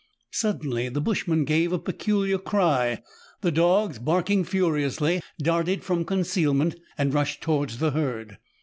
Suddenly the bushman gave a peculiar cry. The dogs, barking furiously, darted from concealment, and rushed to wards the herd.